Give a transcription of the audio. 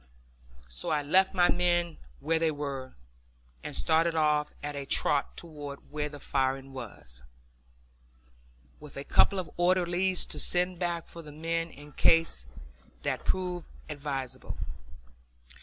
So I left my men where they were and started off at a trot toward where the firing was, with a couple of orderlies to send back for the men in case that proved advisable.